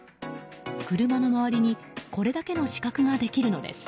車の周りにこれだけの死角ができるのです。